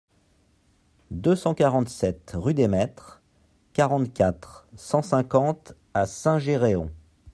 deux cent quarante-sept rue des Maîtres, quarante-quatre, cent cinquante à Saint-Géréon